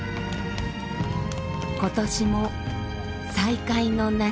今年も再会の夏。